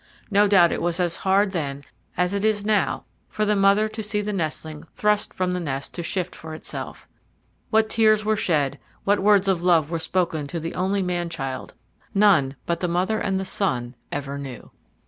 No doubt it was as hard then as it is now for the mother to see the nestling thrust from the nest to shift for itself. What tears were shed, what words of love were spoken to the only man child, none but the mother and the son ever knew.